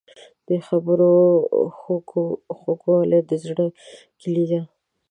د خبرو خوږوالی د زړه کیلي ده.